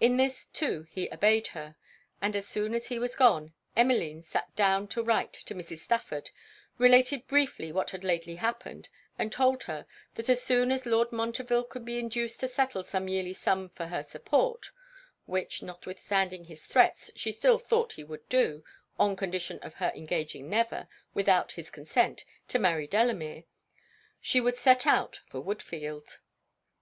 In this, too, he obeyed her. And as soon as he was gone, Emmeline sat down to write to Mrs. Stafford, related briefly what had lately happened, and told her, that as soon as Lord Montreville could be induced to settle some yearly sum for her support, (which notwithstanding his threats she still thought he would do, on condition of her engaging never, without his consent, to marry Delamere,) she would set out for Woodfield.